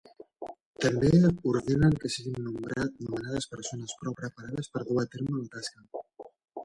També ordenen que siguin nomenades persones prou preparades per dur a terme la tasca.